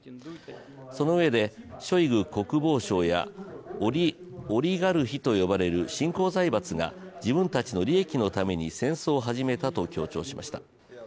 そのうえでショイグ国防相やオリガルヒと呼ばれる新興財閥が自分たちの利益のために戦争を始めたと強調しました。